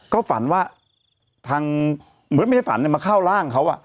ก็ฝันว่าทางเหมือนไม่ได้ฝันมาเข้าร่างเขา